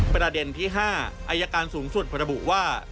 ประเด็นที่๕อายการสูงสุดระบุว่า